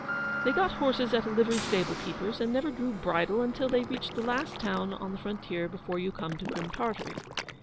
They got horses at a livery stable keeper's, and never drew bridle until they reached the last town on the frontier before you come to Crim Tartary.